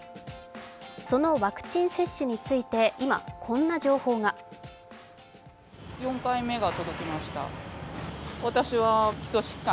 そのワクチン接種について今、こんな情報が。